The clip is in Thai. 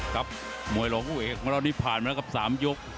ครับมวยโลกผู้เอกวันนี้ผ่านมาแล้วกับสามยก